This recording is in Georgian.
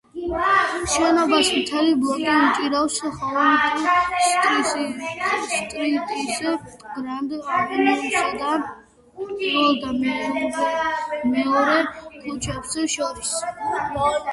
შენობას მთელი ბლოკი უჭირავს ჰოუპ სტრიტის, გრანდ ავენიუსა და პირველ და მეორე ქუჩებს შორის.